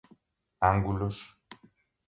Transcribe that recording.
ângulos